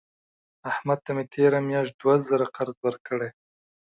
احمد ته مې تېره میاشت دوه زره قرض ورکړې.